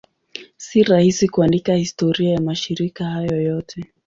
Si rahisi kuandika historia ya mashirika hayo yote.